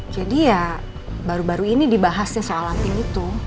jadi ya baru baru ini dibahasnya soal anting itu